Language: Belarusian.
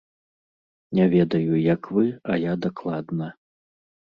Не ведаю, як вы, а я дакладна.